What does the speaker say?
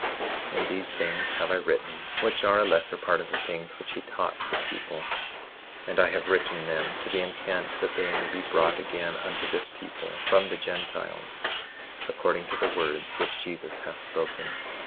26:8 And these things have I written, which are a lesser part of the things which he taught the people; and I have written them to the intent that they may be brought again unto this people, from the Gentiles, according to the words which Jesus hath spoken.